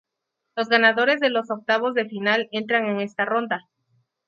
Los ganadores de los octavos de final entran en esta ronda.